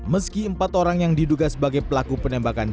meski empat orang yang diduga sebagai pelaku penembakan